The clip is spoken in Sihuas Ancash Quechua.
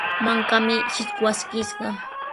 Mankami shikwaskishqa.